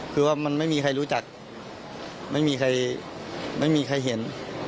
คือว่ามันไม่มีใครรู้จักไม่มีใครไม่มีใครเห็น